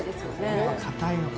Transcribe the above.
ここは堅いのか。